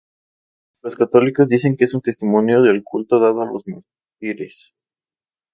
Los católicos dicen que es un testimonio del culto dado a los mártires.